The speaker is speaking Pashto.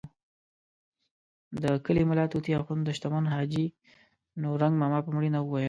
د کلي ملا طوطي اخند د شتمن حاجي نورنګ ماما په مړینه وویل.